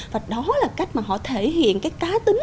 và đó là cách mà họ thể hiện cái cá tính